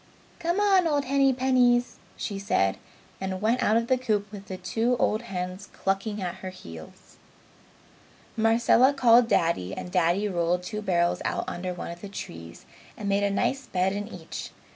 "Come on, old Hennypennies!" she said, and went out of the coop with the two old hens clucking at her heels. Marcella called Daddy and Daddy rolled two barrels out under one of the trees and made a nice bed in each.